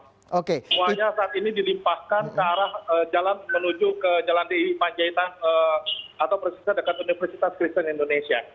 semuanya saat ini dilimpahkan ke arah jalan menuju ke jalan di panjaitan atau persisnya dekat universitas kristen indonesia